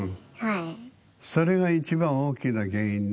それが一番大きな原因ね。